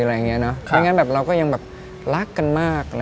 ไม่งั้นเราก็ยังรักกันมาก